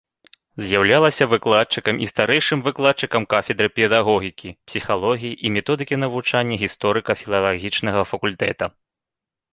З'яўлялася выкладчыкам і старэйшым выкладчыкам кафедры педагогікі, псіхалогіі і методыкі навучання гісторыка-філалагічнага факультэта.